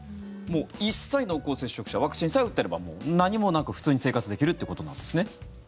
もう一切、濃厚接触者ワクチンさえ打っていれば何もなく普通に生活できるということなんですね。